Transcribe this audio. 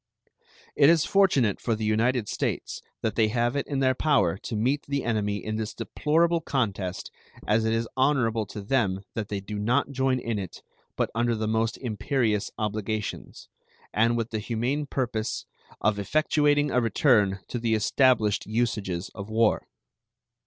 It is fortunate for the United States that they have it in their power to meet the enemy in this deplorable contest as it is honorable to them that they do not join in it but under the most imperious obligations, and with the humane purpose of effectuating a return to the established usages of war.